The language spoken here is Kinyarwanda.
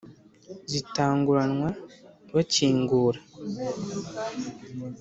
zitanguranwa bakingura.